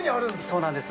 そうなんです。